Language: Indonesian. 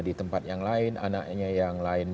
di tempat yang lain anaknya yang lain